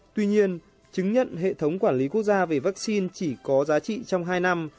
tuy nhiên chứng nhận hệ thống quản lý quốc gia về vaccine chỉ có giá trị trong hai năm